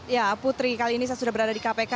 ya putri kali ini saya sudah berada di kpk